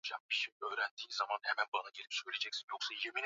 za Kibantu nao hawaoni Kiswahili ni lugha